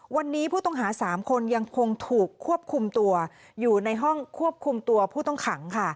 วันนี้ผู้ต้องหา๓คนยังคงถูกควบคุมตัวอยู่ในห้องควบคุมตัวผู้ต้องขังค่ะ